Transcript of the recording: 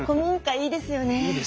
いいですよね。